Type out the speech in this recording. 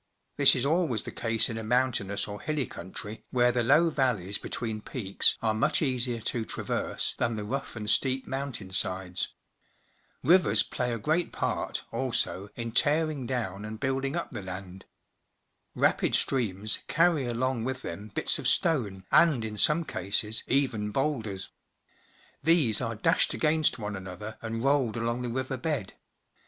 This is always the case in a mountainous or hilly countrv, where the low vallevs between 30 PUBLIC SCHOOL GEOGRAPHY peaks are much easier to traverse than the rough and steep mountain sides. Rivers play a great part, also, in tearing down and building up the land. Rapid streams carry along with them bits of stone, and in some cases, even boulders. These are dashed against one another and rolled along the river bed.